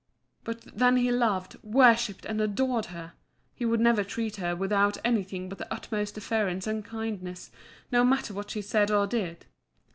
But then he loved, worshipped, and adored her; he would never treat her with anything but the utmost deference and kindness, no matter what she said or did.